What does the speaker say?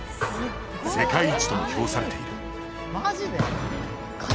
世界一とも評されている。